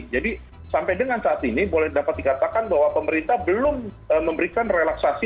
sampai dengan saat ini boleh dapat dikatakan bahwa pemerintah belum memberikan relaksasi